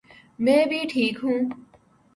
میں بھی ٹھیک ہوں